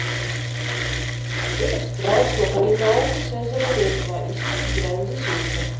Ietek strauts no Kaļinaukas ezera Lietuvā, iztek Grendzes upe.